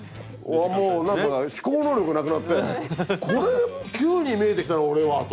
もうなんか思考能力なくなってこれも球に見えてきたな俺はと。